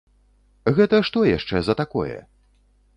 Гэта што яшчэ за такое?